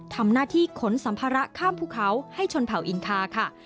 ทำหน้าที่ขนสัมภาระข้ามภูเขาให้ชนเผ่าอินคาค่ะ